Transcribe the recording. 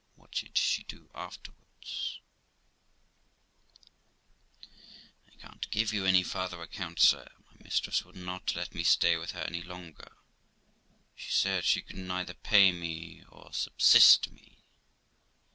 What did she do afterwards ? Amy. I can't give you any farther account, sir; my mistress would not let me stay with her any longer. She said she could neither pay me or subsist me.